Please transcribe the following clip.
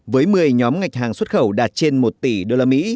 với một mươi nhóm ngành hàng xuất khẩu đạt trên một tỷ usd